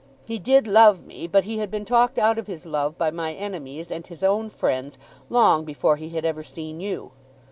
He did love me, but he had been talked out of his love by my enemies and his own friends long before he had ever seen you.